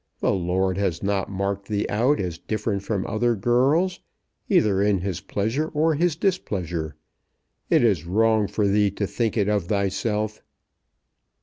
The Lord has not marked thee out as different from other girls, either in His pleasure or His displeasure. It is wrong for thee to think it of thyself."